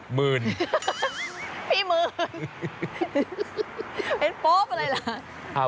หมื่นพี่หมื่นเป็นโป๊ปอะไรล่ะ